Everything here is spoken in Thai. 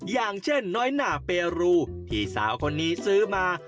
อย่างเช่นน้อยหนาเปรูที่สาวคนนี้ซื้อมา